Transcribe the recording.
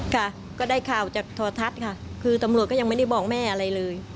ค่ะก็ได้ข่าวจากโทรทัศน์ค่ะคือตำรวจก็ยังไม่ได้บอกแม่อะไรเลย